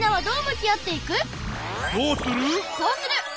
どうする！